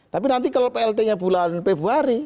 tapi nanti kalau plt nya bulan februari